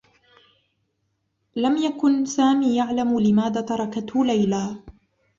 لم يكن سامي يعلم لماذا تركته ليلى.